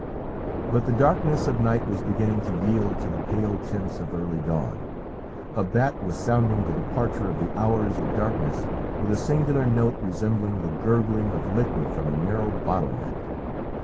But the darkness of night was beginning to yield to the pale tints of early dawn. A bat was sounding the departure of the hours of darkness with a singular note resembling the gurgling of liquid from a narrow bottle neck.